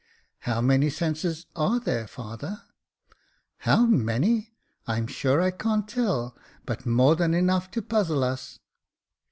" How many senses are there, father ?"" How many ! I'm sure I can't tell, but more than enough to puzzle us."